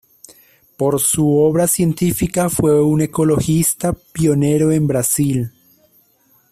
Por su obra científica, fue un ecologista pionero en Brasil.